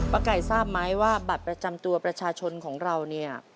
ไก่ทราบไหมว่าบัตรประจำตัวประชาชนของเราเนี่ย